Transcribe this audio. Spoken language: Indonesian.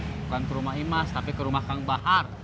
bukan rumah imas tapi rumah kang bahar